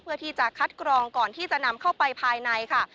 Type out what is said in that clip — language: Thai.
เพื่อที่จะคัดกรองก่อนที่จะนำเข้าไปภายในค่ะ